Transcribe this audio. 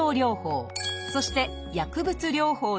そして「薬物療法」です